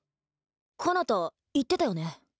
かなた言ってたよね？